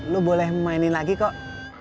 lu boleh mainin lagi kok